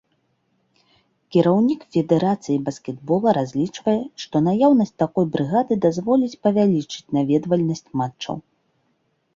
Кіраўнік федэрацыі баскетбола разлічвае, што наяўнасць такой брыгады дазволіць павялічыць наведвальнасць матчаў.